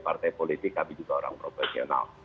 partai politik kami juga orang profesional